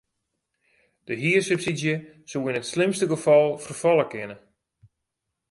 De hiersubsydzje soe yn it slimste gefal ferfalle kinne.